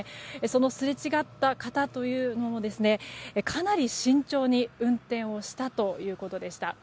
そのすれ違った方というのもかなり慎重に運転をしたということでした。